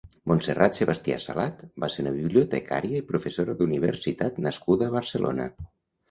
Montserrat Sebastià Salat va ser una bibliotecària i professora d'universitat nascuda a Barcelona.